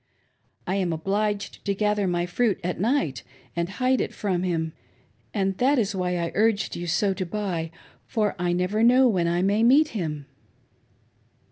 I am obliged to gather my fruit at night and hide it from him, and that is why I urged you so to buy, for I never know when I may meet him."